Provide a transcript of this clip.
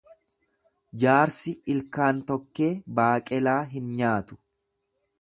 Jaarsi ilkaan tokkee baaqelaa hin nyaatu.